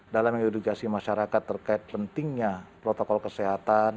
dalam mengedukasi masyarakat terkait pentingnya protokol kesehatan